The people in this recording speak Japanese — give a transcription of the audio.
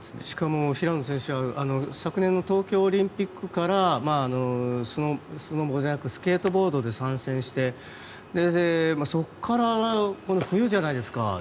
しかも、平野選手は昨年の東京オリンピックからスノボじゃなくてスケートボードで参戦してそこから冬じゃないですか。